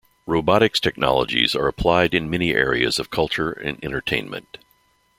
Robotics technologies are applied in many areas of culture and entertainment.